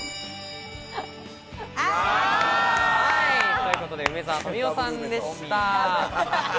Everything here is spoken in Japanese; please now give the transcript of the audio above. ということで梅沢富美男さんでした。